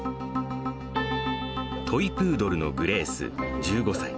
トイプードルのグレース１５歳。